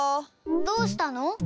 どうしたの？